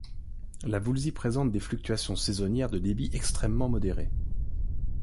La Voulzie présente des fluctuations saisonnières de débit extrêmement modérées.